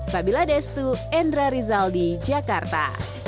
fabilla destu endra rizal di jakarta